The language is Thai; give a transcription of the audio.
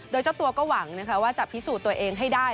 โดยเจ้าตัวก็หวังนะคะว่าจะพิสูจน์ตัวเองให้ได้